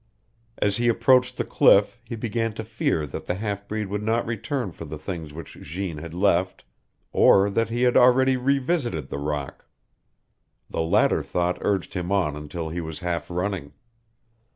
As he approached the cliff he began to fear that the half breed would not return for the things which Jeanne had left, or that he had already re visited the rock. The latter thought urged him on until he was half running.